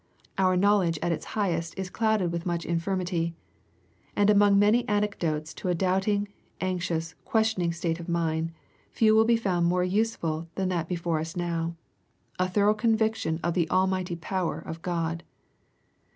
Our knowledge at its highest is clouded with much infirmity. And among many antidotes to a doubting, anxious, questioning state of mind, few will be found more useful than that before us now, — a thorough con viction of the almighty power of God.